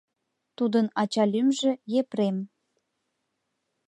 Тудын ача лӱмжӧ — Епрем.